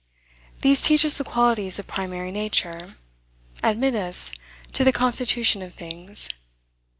These teach us the qualities of primary nature, admit us to the constitution of things.